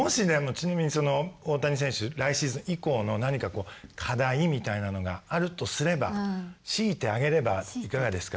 ちなみにその大谷選手来シーズン以降の何か課題みたいなのがあるとすれば強いて挙げればいかがですか？